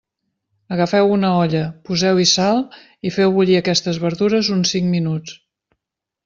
Agafeu una olla, poseu-hi sal i feu bullir aquestes verdures uns cinc minuts.